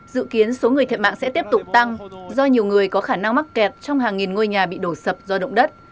dự kiến số người thiệt mạng sẽ tiếp tục tăng do nhiều người có khả năng mắc kẹt trong hàng nghìn ngôi nhà bị đổ sập do động đất